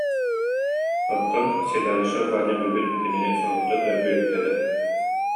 Оттон Седалищев Ваня бүгүн кинини соһутта да, үөртэ да